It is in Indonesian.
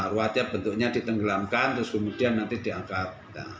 ruat ya bentuknya ditenggelamkan terus kemudian nanti diangkat